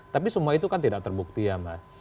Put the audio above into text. tapi semua itu kan tidak terbukti ya mbak